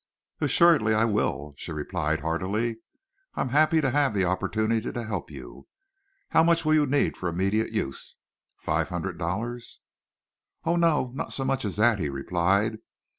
"Assuredly I will," she replied, heartily. "I'm happy to have the opportunity to help you. How much will you need for immediate use? Five hundred dollars?" "Oh no, not so much as that," he replied.